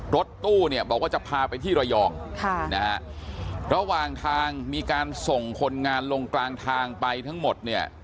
รถตู้เนี่ยบอกว่าจะพาไปที่ระยองระหว่างทางมีการส่งคนงานลงกลางทางไปทั้งหมดเนี่ย